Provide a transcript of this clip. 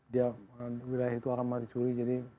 dia wilayah itu akan mati suri jadi